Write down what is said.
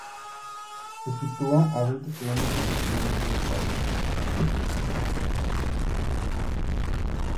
Se sitúa a veinte kilómetros al sureste de Pau.